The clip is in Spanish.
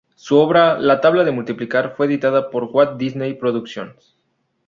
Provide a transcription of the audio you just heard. Su obra "La tabla de multiplicar" fue editada por Walt Disney Producciones.